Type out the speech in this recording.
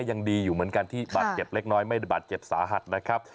ยังดีอยู่เหมือนกันที่บาดเจ็บเล็กน้อยไม่ได้บาดเจ็บสาหัสนะครับ